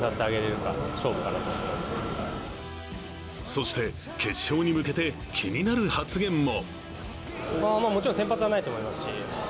そして決勝に向けて気になる発言も。